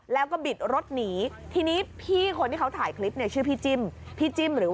มันกลับมาที่สุดท้ายแล้วมันกลับมาที่สุดท้ายแล้ว